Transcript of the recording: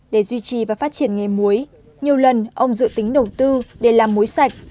để duy trì và phát triển nghề muối nhiều lần ông dự tính đầu tư để làm muối sạch